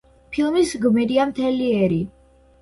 ფილმის გმირია მთელი ერი.